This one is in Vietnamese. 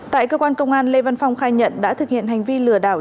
tại cơ quan công an lê văn phong khai nhận đã thực hiện hành vi lừa đảo